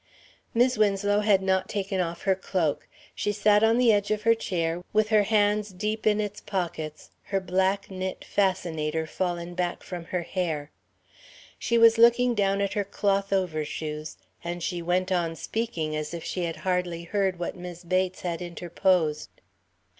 Mis' Winslow had not taken off her cloak. She sat on the edge of her chair, with her hands deep in its pockets, her black knit "fascinator" fallen back from her hair. She was looking down at her cloth overshoes, and she went on speaking as if she had hardly heard what Mis' Bates had interposed.